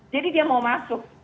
jadi dia mau masuk